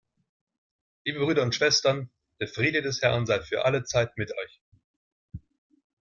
Liebe Brüder und Schwestern, der Friede des Herrn sei für alle Zeit mit euch.